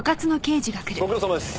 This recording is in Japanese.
ご苦労さまです。